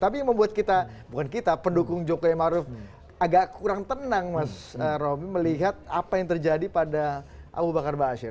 tapi yang membuat kita bukan kita pendukung jokowi maruf agak kurang tenang mas romy melihat apa yang terjadi pada abu bakar ⁇ baasyir ⁇